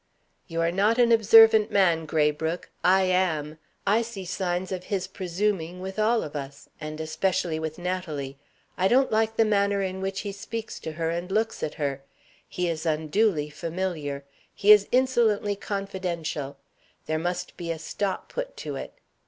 "You are not an observant man, Graybrooke. I am. I see signs of his presuming with all of us, and especially with Natalie. I don't like the manner in which he speaks to her and looks at her. He is unduly familiar; he is insolently confidential. There must be a stop put to it.